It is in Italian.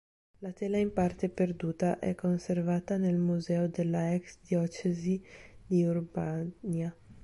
La tela, in parte perduta, è conservata nel Museo della ex diocesi di Urbania.